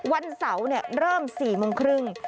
วันเสาร์เริ่ม๔๓๐บาท